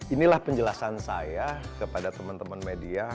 inilah penjelasan saya kepada teman teman media